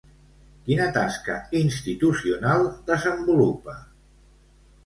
Quina tasca institucional desenvolupa?